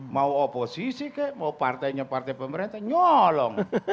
mau oposisi kek mau partainya partai pemerintah nyolong